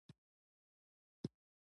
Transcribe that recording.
سيدال خان وويل: صېب!